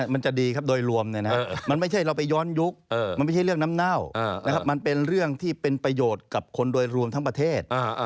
มันจะดีครับโดยรวมมันไม่ใช่เราไปย้อนยุคมันไม่ใช่เรื่องน้ำเน่ามันเป็นเรื่องที่เป็นประโยชน์กับคนโดยรวมทั้งประเทศ